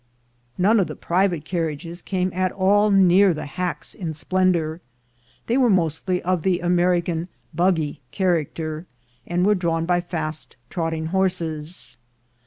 None of the private carriages came at all near the hacks in splendor. They were mostly of the American "buggy" character, and were drawn by fast trotting horses.